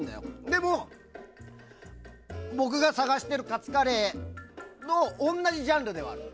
でも僕が探しているカツカレーと同じジャンルではある。